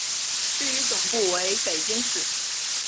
至于总部为北京市。